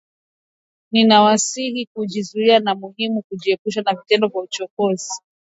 Ninawasihi kujizuia na ni muhimu kujiepusha na vitendo vya uchokozi